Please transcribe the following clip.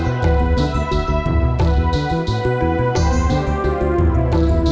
ledang ledang ledang